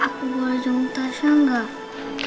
aku boleh jemput tasya enggak